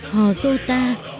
hò dô ta